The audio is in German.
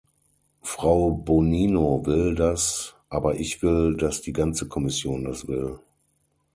Frau Bonino will das, aber ich will, dass die ganze Kommission das will.